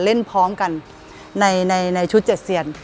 เล่นพร้อมกันในชุด๗เซียน